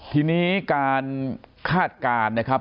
ทีนี้การคาดการณ์นะครับ